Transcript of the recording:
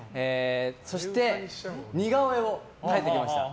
そして、似顔絵を描いてきました。